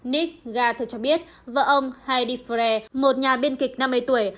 nick gartner cho biết vợ ông heidi freer một nhà biên kịch năm mươi tuổi